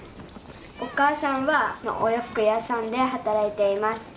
お母さんはお洋服屋さんで働いています。